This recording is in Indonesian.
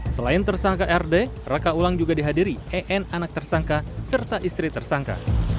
selain tersangka rd reka ulang juga dihadiri en anak tersangka serta istri tersangka